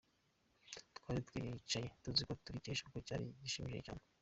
Twari tucyicaye tuzi ko turikesha kuko cyari gishimishije cyane.